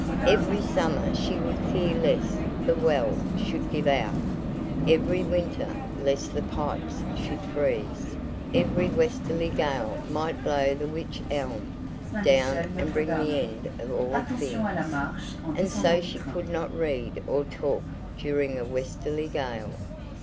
Every summer she would fear lest the well should give out, every winter lest the pipes should freeze; every westerly gale might blow the wych elm down and bring the end of all things, and so she could not read or talk during a westerly gale.